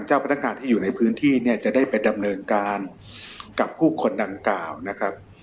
จะได้ไปดำเนินการกับผู้คนดังกล่าวนะครับ